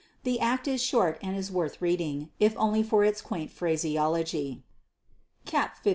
The act is short and is worth reading, if only for its quaint phraseology. _Cap XV.